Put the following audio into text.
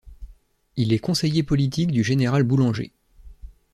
Il est conseiller politique du général Boulanger.